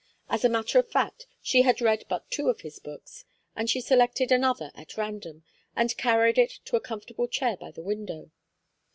As a matter of fact she had read but two of his books, and she selected another at random and carried it to a comfortable chair by the window.